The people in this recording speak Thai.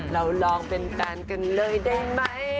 เราลองเป็นแฟนกันเลยได้ไหม